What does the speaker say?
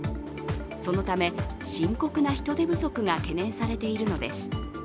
そのため、深刻な人手不足が懸念されているのです。